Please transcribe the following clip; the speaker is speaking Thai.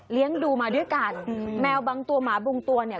ดูมาด้วยกันแมวบางตัวหมาบรุงตัวเนี่ย